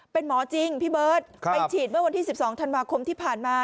เป็นหมอจริงพี่เบิร์ตไปฉีดเมื่อวันที่๑๒ธันวาคมที่ผ่านมา